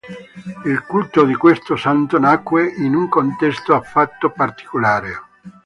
Il culto di questo santo nacque in un contesto affatto particolare.